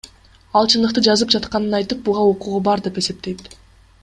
Ал чындыкты жазып жатканын айтып, буга укугу бар деп эсептейт.